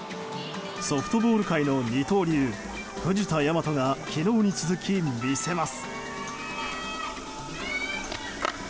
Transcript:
ソフトボール界の二刀流藤田倭が昨日に続き、見せます。